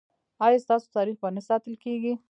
ایا ستاسو تاریخ به نه ساتل کیږي؟